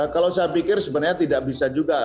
kalau saya pikir sebenarnya tidak bisa juga